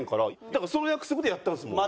だからその約束でやったんですもん。